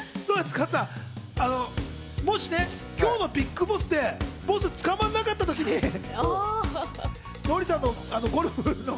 加藤さん、もしね、きょうのＢＩＧＢＯＳＳでＢＯＳＳがつかまらなかった時にノリさんのゴルフの。